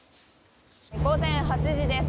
午前８時です。